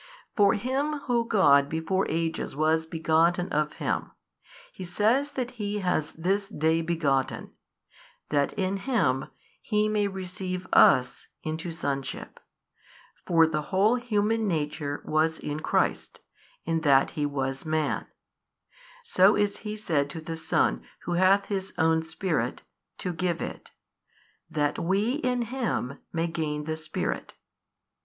For Him Who God before ages was begotten of Him, He says that He has this day begotten, that in Him He may receive us into sonship, for the whole human nature was in Christ, in that He was Man: so is He said to the Son who hath His Own Spirit, to give It, that we in Him may gain the Spirit.